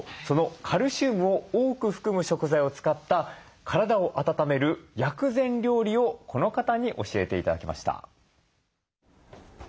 カルシウムを多く含む食材を使った体を温める薬膳料理をこの方に教えて頂きました。